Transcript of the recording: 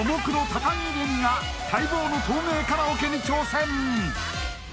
高城れにが待望の透明カラオケに挑戦！